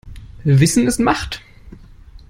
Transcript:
Wissen ist Macht.